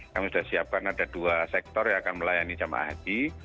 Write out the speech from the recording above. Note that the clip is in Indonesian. kami sudah siapkan ada dua sektor yang akan melayani jemaah haji